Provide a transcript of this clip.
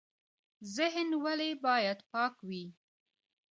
ذهن ولې باید پاک وي؟